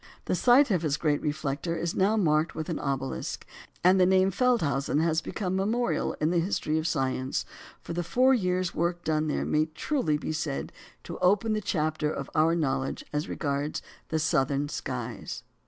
The site of his great reflector is now marked with an obelisk, and the name of Feldhausen has become memorable in the history of science; for the four years' work done there may truly be said to open the chapter of our knowledge as regards the southern skies.